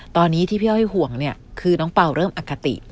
ตอนนี้ที่พี่เอาให้ห่วงคือน้องเปล่าเริ่มอกติ